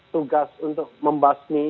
tugas untuk membasmi